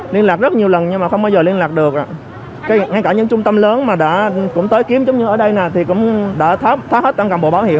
liên lạc rất nhiều lần nhưng mà không bao giờ liên lạc được